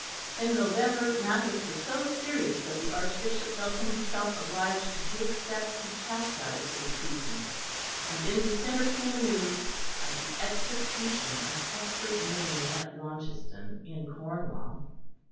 In November matters were so serious that the Archbishop felt himself obliged to take steps to chastise the recusants; and in December came the news of the execution of Cuthbert Maine at Launceston in Cornwall.